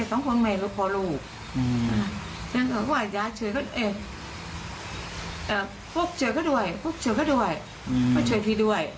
อย่างนั้นก็พูดว่าช่วยเค้าด้วย